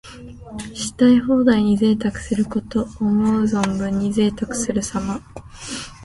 したい放題に贅沢すること。思う存分にぜいたくするさま。